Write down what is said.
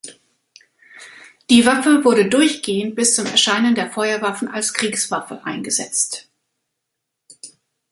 Die Waffe wurde durchgehend bis zum Erscheinen der Feuerwaffen als Kriegswaffe eingesetzt.